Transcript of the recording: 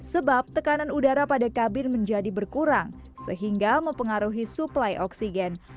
sebab tekanan udara pada kabin menjadi berkurang sehingga mempengaruhi suplai oksigen